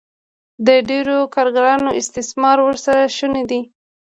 د ډېرو کارګرانو استثمار ورسره شونی دی